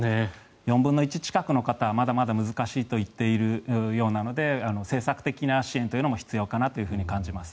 ４分の１近くの方はまだまだ難しいといっているようなので政策的な支援というのも必要かなと感じます。